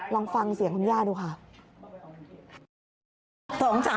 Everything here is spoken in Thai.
ลองฟังเสียงคุณย่าดูค่ะ